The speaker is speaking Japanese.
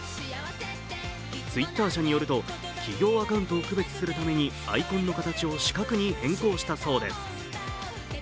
Ｔｗｉｔｔｅｒ社によると、企業アカウントを区別するためにアイコンの形を四角に変更したそうです。